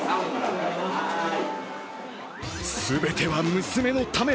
全ては娘のため。